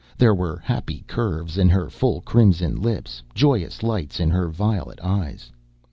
There were happy curves in her full crimson lips, joyous lights in her violet eyes.